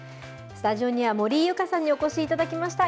スタジオには、森井ユカさんにお越しいただきました。